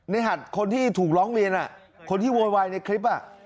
หัดคนที่ถูกร้องเรียนคนที่โวยวายในคลิป